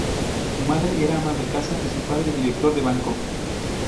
Su madre era ama de casa y su padre director de banco.